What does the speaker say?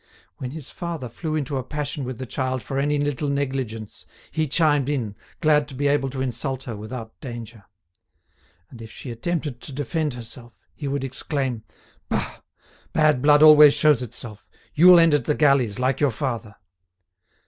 When his father flew into a passion with the child for any little negligence, he chimed in, glad to be able to insult her without danger. And if she attempted to defend herself, he would exclaim: "Bah! bad blood always shows itself. You'll end at the galleys like your father."